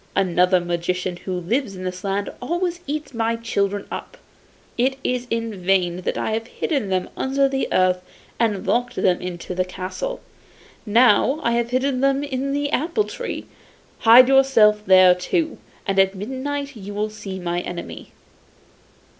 Another magician who lives in this land always eats my children up. It is in vain that I have hidden them under the earth and locked them into the castle. Now I have hidden them in the apple tree; hide yourself there too, and at midnight you will see my enemy.